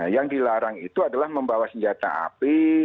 yang dilarang itu adalah membawa senjata api